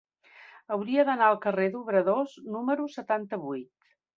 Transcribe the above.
Hauria d'anar al carrer d'Obradors número setanta-vuit.